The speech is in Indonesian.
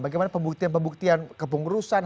bagaimana pembuktian pembuktian kepengurusan